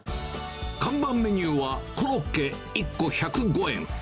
看板メニューはコロッケ１個１０５円。